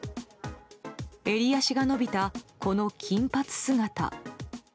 襟足が伸びた、この金髪姿。